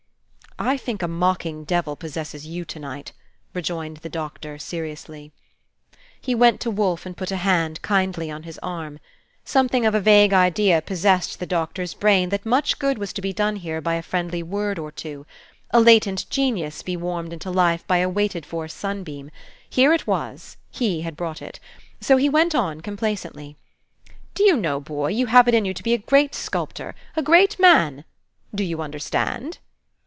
"I think a mocking devil possesses you to night," rejoined the Doctor, seriously. He went to Wolfe and put his hand kindly on his arm. Something of a vague idea possessed the Doctor's brain that much good was to be done here by a friendly word or two: a latent genius to be warmed into life by a waited for sunbeam. Here it was: he had brought it. So he went on complacently: "Do you know, boy, you have it in you to be a great sculptor, a great man? do you understand?"